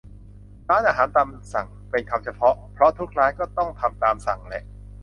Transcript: ร้านอาหารตามสั่ง เป็นคำเฉพาะ เพราะทุกร้านก็ต้องทำตามสั่งแหละ